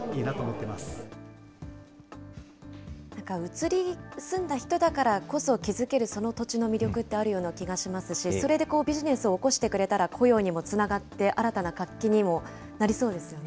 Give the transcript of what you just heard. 移り住んだ人だからこそ気付けるその土地の魅力ってあるような気がしますし、それでビジネスをおこしてくれたら、雇用にもつながって、新たな活気にもなりそうですよね。